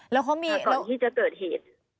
แล้วเขามีก่อนที่จะเกิดเหตุ